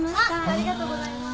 ありがとうございます。